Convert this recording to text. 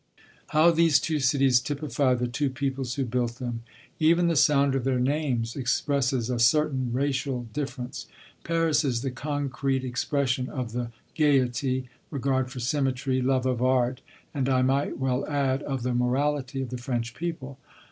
How these two cities typify the two peoples who built them! Even the sound of their names expresses a certain racial difference. Paris is the concrete expression of the gaiety, regard for symmetry, love of art, and, I might well add, of the morality of the French people.